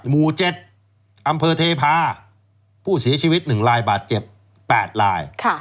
หมู่๗อำเภอเทพาผู้เสียชีวิต๑ลายบาดเจ็บ๘ลาย